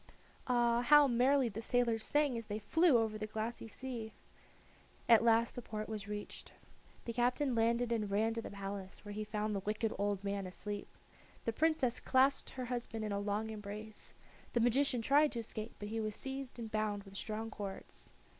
Ah! how merrily the sailors sang as they flew over the glassy sea! At last the port was reached. The captain landed and ran to the palace, where he found the wicked old man asleep. The Princess clasped her husband in a long embrace. The magician tried to escape, but he was seized and bound with strong cords.